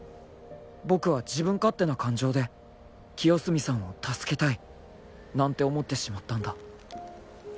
僕は自分勝手な感情で「清澄さんを助けたい」なんて思ってしまったんだ